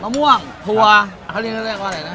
ทะเลี่ยงได้ก็เป็นอะไรนะ